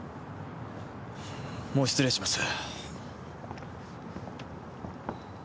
もう失礼します。